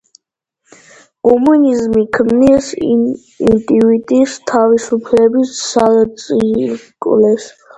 კომუნიზმი ქმნის ინდივიდის თავისუფლების საძირკველს.